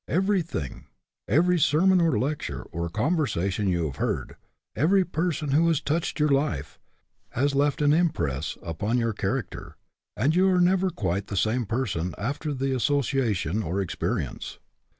Everything every sermon or lecture or conversation you have heard, every person who has touched your life has left an impress upon your char acter, and you are never quite the same per son after the association or experience.